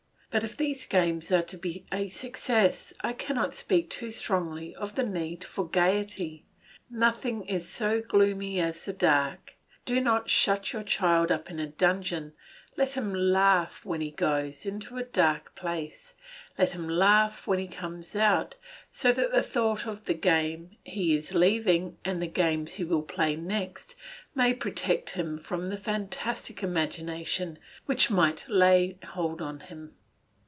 But if these games are to be a success I cannot speak too strongly of the need for gaiety. Nothing is so gloomy as the dark: do not shut your child up in a dungeon, let him laugh when he goes, into a dark place, let him laugh when he comes out, so that the thought of the game he is leaving and the games he will play next may protect him from the fantastic imagination which might lay hold on him.